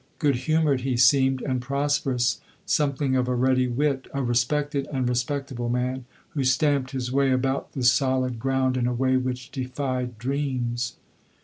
Good humoured he seemed, and prosperous, something of a ready wit, a respected and respectable man, who stamped his way about the solid ground in a way which defied dreams.